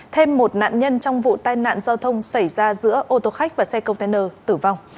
thêm một nạn nhân trong vụ tai nạn giao thông xảy ra giữa ô tô khách và xe container tử vong